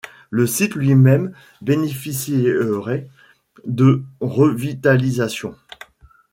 Le site lui-même bénéficierait de revitalisation.